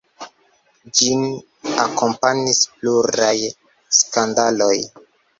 Ĝin akompanis pluraj skandaloj.